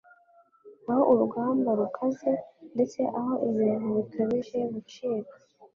aho urugamba rukaze, ndetse aho ibintu bikabije gucika.